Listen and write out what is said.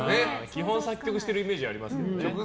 基本、作曲してるイメージありますよね。